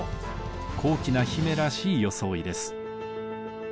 高貴な姫らしい装いです。